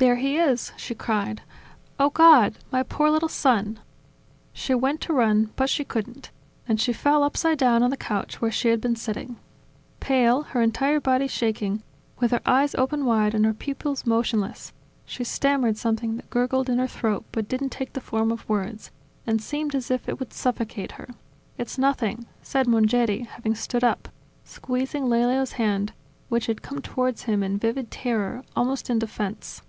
"There he is!" she cried. "Oh, God! My poor little son!" She went to run, but she couldn't. And she fell upside down on the couch where she had been sitting. Pale, her entire body shaking, with her eyes open wide and her pupils motionless, she stammered something that gurgled in her throat but didn't take the form of words, and seemed as if it would suffocate her. "It's nothing!" said Mongeri, having stood up, squeezing Lelio's hand, which had come towards him in vivid terror, almost in defense.